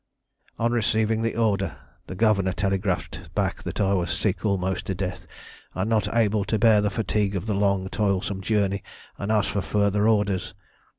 "On receiving the order the governor telegraphed back that I was sick almost to death, and not able to bear the fatigue of the long, toilsome journey, and asked for further orders.